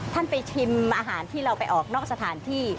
ท่านไปชิมอาหารที่เราไปออกนอกสถานที่